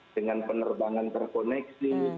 dengan penerbangan terkoneksi